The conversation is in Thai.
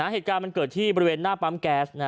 เหตุการณ์มันเกิดที่บริเวณหน้าปั๊มแก๊ส